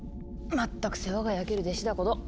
まったく世話が焼ける弟子だこと。